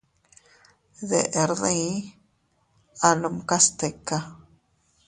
Deʼer dii, anumkas tika.